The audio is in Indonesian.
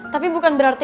tapi bukan berarti